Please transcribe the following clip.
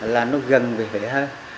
là nó gần về vẻ hơn